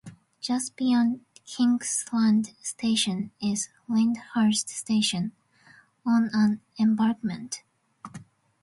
Just beyond Kingsland station is Lyndhurst station, on an embankment.